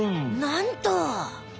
なんと！